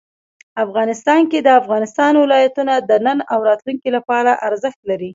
افغانستان کې د افغانستان ولايتونه د نن او راتلونکي لپاره ارزښت لري.